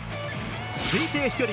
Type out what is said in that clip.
推定飛距離